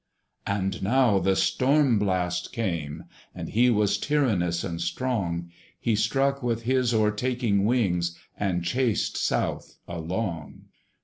And now the STORM BLAST came, and he Was tyrannous and strong: He struck with his o'ertaking wings, And chased south along.